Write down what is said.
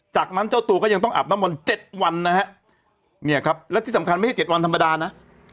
จากนั้นเจ้าตัวก็ยังต้องอาบน้ำมนต์๗วันนะฮะเนี่ยครับและที่สำคัญไม่ใช่๗วันธรรมดานะ